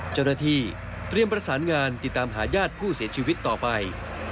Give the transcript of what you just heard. เจ้าหน้าที่เตรียมประสานงานติดตามหาญาติผู้เสียชีวิตต่อไป